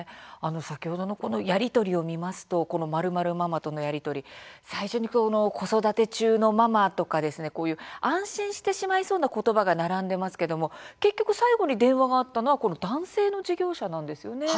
やり取りを見ますと○○ママとのやり取り最初に子育て中のママとか安心してしまいそうな言葉が並んでいますが結局、最後に電話があったのは男性の事業者だったんですね。